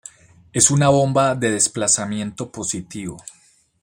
Es una bomba de desplazamiento positivo.